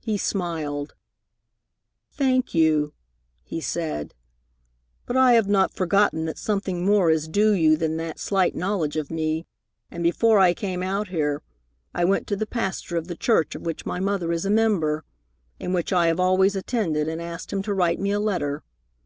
He smiled. "Thank you," he said, "but I have not forgotten that something more is due you than that slight knowledge of me, and before I came out here I went to the pastor of the church of which my mother is a member, and which I have always attended and asked him to write me a letter.